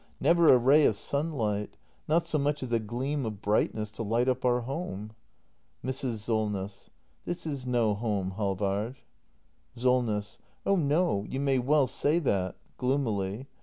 Never a ray of sunlight! Not so much as a gleam of brightness to light up our home! Mrs. Solness. This is no home, Halvard. Solness. Oh no, you may well say that. [Gloomily.